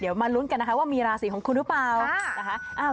เดี๋ยวมาลุ้นกันว่ามีราสีของคุณหรือเปล่า